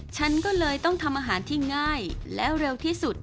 ฉันก็เลยต้องทำอาหารที่ง่ายและเร็วที่สุด